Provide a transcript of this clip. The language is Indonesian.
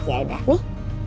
ya udah nih